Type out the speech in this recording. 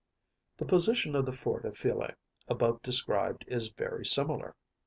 The position of the fort at Phyle, above described, is very similar.